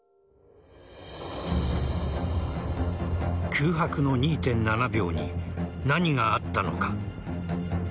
空白の２．７秒に何があったのか。